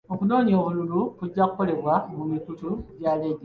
Okunoonya obululu kujja kukolebwa ku mikutu gya laadiyo.